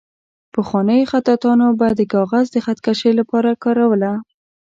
پخوانیو خطاطانو به د کاغذ د خط کشۍ لپاره کاروله.